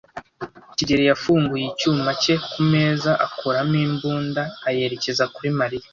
kigeli yafunguye icyuma cye kumeza, akuramo imbunda, ayerekeza kuri Mariya.